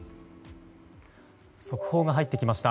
速報が入ってきました。